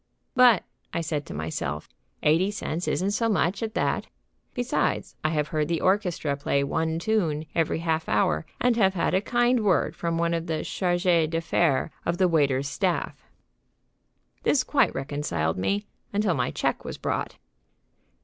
"But," I said to myself, "eighty cents isn't so much, at that. Besides, I have heard the orchestra play one tune every half hour, and have had a kind word from one of the chargés d'affaires of the waiter's staff." This quite reconciled me, until my check was brought.